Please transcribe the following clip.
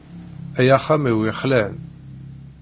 Ay axxam-iw yexlan!